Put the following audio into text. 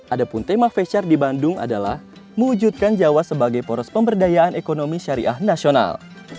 ada pun tema feshare di bandung adalah mewujudkan jawa sebagai poros pemberdayaan ekonomi syariah nasional